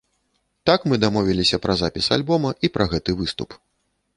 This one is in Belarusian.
Так мы дамовіліся пра запіс альбома і пра гэты выступ.